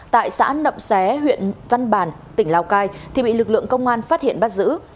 tại xã nậm xé huyện văn bàn tỉnh lào cai thì bị lực lượng công an phát hiện bắt giữ